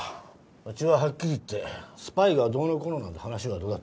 うちははっきり言ってスパイがどうのこうのなんて話はどうだっていい。